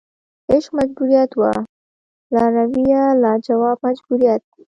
عشق مجبوریت وه لارویه لا جواب مجبوریت